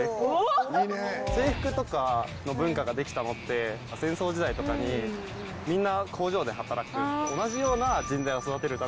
制服とかの文化ができたのって戦争時代とかにみんな工場で働く。